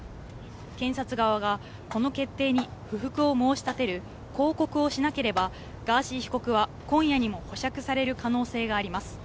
検察側がこの決定に不服を申し立てる抗告をしなければ、ガーシー被告は今夜にも保釈される可能性があります。